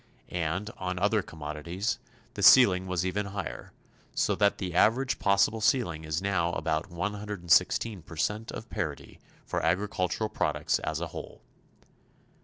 And on other commodities the ceiling was even higher, so that the average possible ceiling is now about 116 percent of parity for agricultural products as a whole.